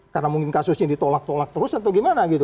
karena mungkin kasusnya ditolak tolak terus atau gimana gitu